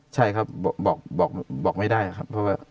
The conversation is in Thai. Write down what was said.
ใช่ครับบอกไม่ได้ครับ